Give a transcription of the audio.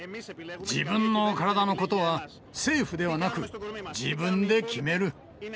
自分の体のことは、政府ではなく、自分で決める。